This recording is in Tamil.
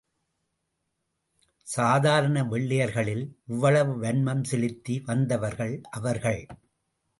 சாதாரண வெள்ளையர்களில் இவ்வளவு வன்மம் செலுத்தி வந்தவர்கள் அவர்கள்.